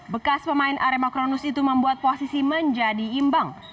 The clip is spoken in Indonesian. bekas pemain arema kronus itu membuat posisi menjadi imbang